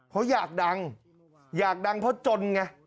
เพราะอยากดังอยากดังเพราะจนไง